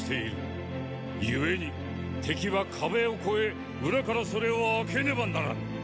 故に敵は壁を越え裏からそれを開けねばならぬ。